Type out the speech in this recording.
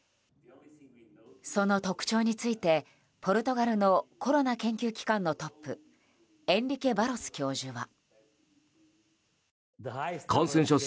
その特徴について、ポルトガルのコロナ研究機関のトップエンリケ・バロス教授は。